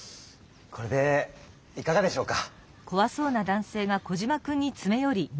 これでいかがでしょうか？